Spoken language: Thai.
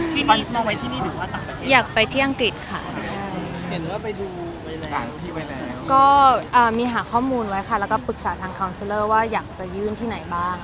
ช่วยที่นี่หรือต่างประเภทคะ